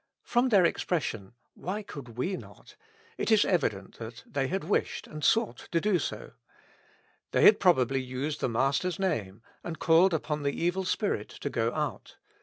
From their expression, "Why could we not ?" it is evident that they had wished and sought to do so ; they had probably used the Mas ter's name, and called upon the evil spirit to go out.